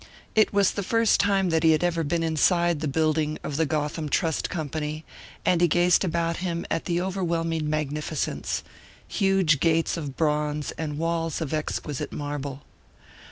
It was the first time that he had ever been inside the building of the Gotham Trust Company, and he gazed about him at the overwhelming magnificence huge gates of bronze and walls of exquisite marble.